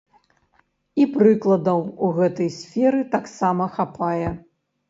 І прыкладаў у гэтай сферы таксама хапае.